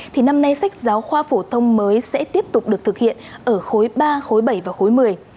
thì năm nay sách giáo khoa phổ thông mới sẽ tiếp tục được thực hiện ở khối ba khối bảy và khối một mươi